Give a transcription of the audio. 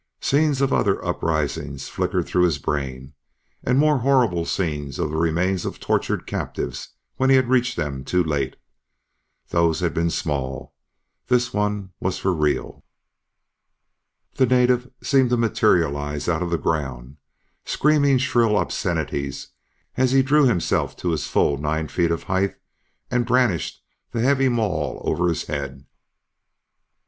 Scenes of other uprisings flickered through his brain, and more horrible scenes of the remains of tortured captives when he reached them too late. Those had been small. This one was for real. The native seemed to materialize out of the ground, screaming shrill obscenities as he drew himself to his full nine feet of height and brandished the heavy maul over his head.